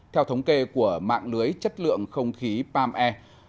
theo thống kê của mạng lưới chất lượng không khí palm air